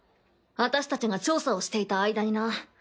私たちが調査をしていた間にな。